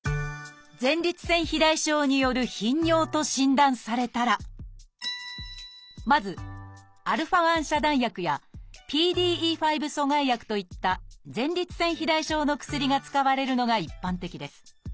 前立腺肥大症による頻尿と診断されたらまずα遮断薬やＰＤＥ５阻害薬といった前立腺肥大症の薬が使われるのが一般的です。